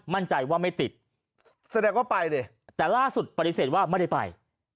มั่นใจว่าไม่ติดแสดงว่าไปเลยแต่ล่าสุดปฏิเสธว่าไม่ได้ไป